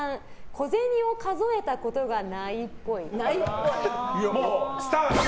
小銭を数えたことがないっぽい。